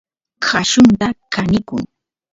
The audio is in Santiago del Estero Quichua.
qallunta kanikun